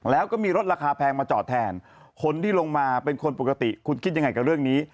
แล้วก็มีรถราคาแพงมาจอดแทนคนที่ลงมาเป็นคนปกติคุณคิดยังไงกับเรื่องนี้